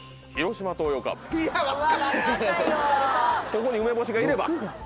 ここに梅干しがいれば。